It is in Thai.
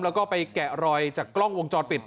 แล้วก็ไปแกะรอยจากกล้องวงจรปิด